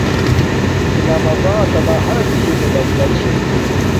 اسلام آباتنا ہر سیشنݣ بندہ چھے